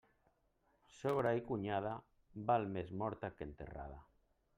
Sogra i cunyada, val més morta que enterrada.